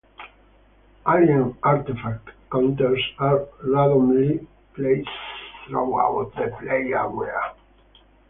Alien Artefact counters are randomly placed throughout the play area.